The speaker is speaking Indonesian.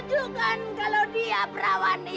kita harus pergi